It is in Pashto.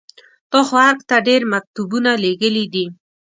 تا خو ارګ ته ډېر مکتوبونه لېږلي دي.